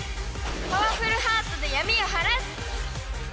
パワフルハートで闇を晴らす！